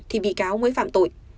thì bị cáo mới phạm tội